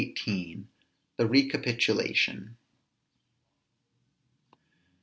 THE RECAPITULATION.